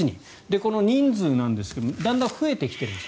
この人数なんですがだんだん増えてきているんです。